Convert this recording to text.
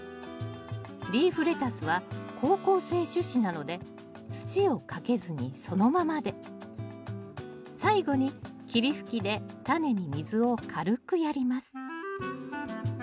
リーフレタスは好光性種子なので土をかけずにそのままで最後に霧吹きでタネに水を軽くやります